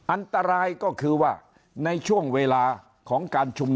อันตรายก็คือว่าในช่วงเวลาของการชุมนุม